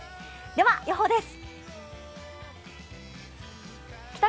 では予報です。